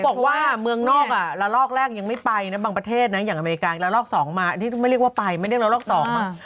บอกว่าเมืองนอกอ่ะละลอกแรกยังไม่ไปนะบางประเทศนะอย่างอเมริกาละลอก๒มาที่ไม่เรียกว่าไปไม่เรียกว่าละลอก๒มา